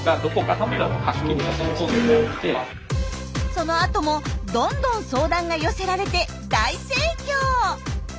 そのあともどんどん相談が寄せられて大盛況！